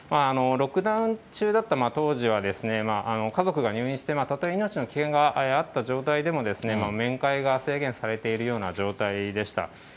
ロックダウン中だった当時は、家族が入院して、たとえ命の危険があった状態でも、面会が制限されているような状態でした。